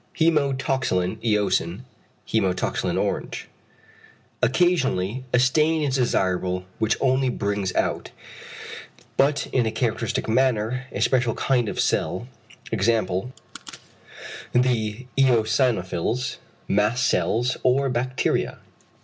(Hæmatoxylin eosin, hæmatoxylin orange). Occasionally a stain is desirable which only brings out, but in a characteristic manner, a special kind of cell, e.g. the eosinophils, mast cells, or bacteria.